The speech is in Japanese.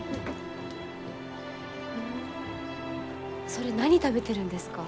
それ何食べてるんですか？